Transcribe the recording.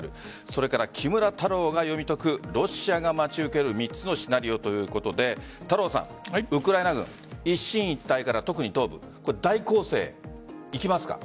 それから、木村太郎が読み解くロシアが待ち受ける３つのシナリオということで太郎さんウクライナ軍、一進一退から特に東部大攻勢いきますか？